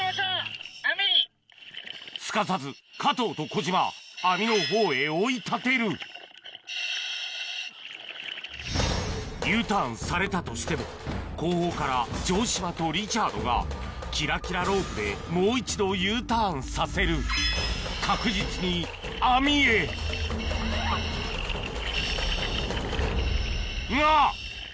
すかさず加藤と小島網の方へ追い立てるＵターンされたとしても後方から城島とリチャードがキラキラロープでもう一度Ｕターンさせる確実に網へが！